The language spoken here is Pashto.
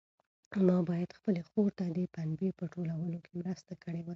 ما باید خپلې خور ته د پنبې په ټولولو کې مرسته کړې وای.